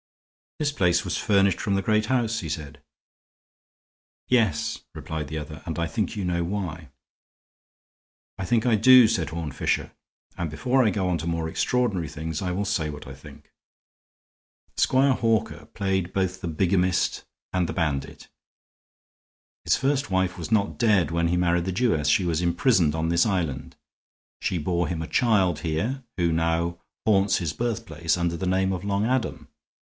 "This place was furnished from the great house," he said. "Yes," replied the other, "and I think you know why." "I think I do," said Horne Fisher, "and before I go on to more extraordinary things I will, say what I think. Squire Hawker played both the bigamist and the bandit. His first wife was not dead when he married the Jewess; she was imprisoned on this island. She bore him a child here, who now haunts his birthplace under the name of Long Adam.